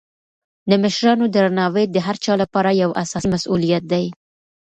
د مشرانو درناوی د هر چا لپاره یو اساسي مسولیت دی.